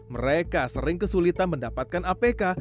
mereka sering kesulitan mendapatkan apk